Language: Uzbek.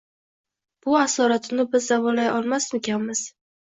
Bu asoratini biz davolay olmaskanmizmi?